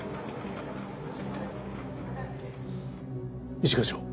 一課長。